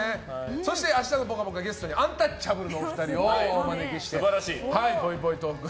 そして明日の「ぽかぽか」のゲストにアンタッチャブルのお二人をお招きして、ぽいぽいトーク。